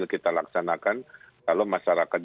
kita laksanakan kalau masyarakat